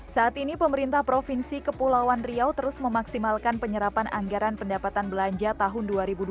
saat ini pemerintah provinsi kepulauan riau terus memaksimalkan penyerapan anggaran pendapatan belanja tahun dua ribu dua puluh